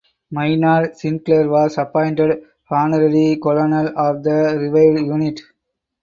Maynard Sinclair was appointed Honorary Colonel of the revived unit.